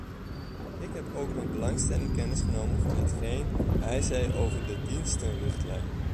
Ik heb ook met belangstelling kennis genomen van hetgeen hij zei over de dienstenrichtlijn.